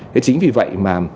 thế chính vì vậy mà